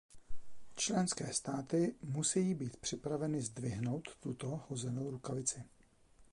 Členské státy musejí být připraveny zdvihnout tuto hozenou rukavici.